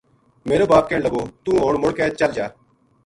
میرو باپ کہن لگو ”توہ ہن مُڑ کے چل جا